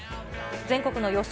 全国の予想